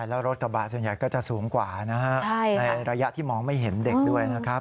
แล้วรถกระบะส่วนใหญ่ก็จะสูงกว่านะฮะในระยะที่มองไม่เห็นเด็กด้วยนะครับ